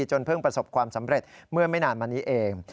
จนเพิ่งประสบความสำเร็จเมื่อไม่นานมานี้เอง